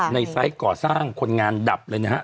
ไซส์ก่อสร้างคนงานดับเลยนะฮะ